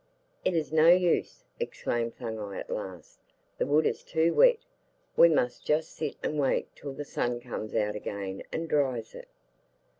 'It is no use,' exclaimed Thuggai, at last. 'The wood is too wet. We must just sit and wait till the sun comes out again and dries it.